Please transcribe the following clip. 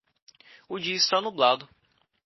O dia está nublado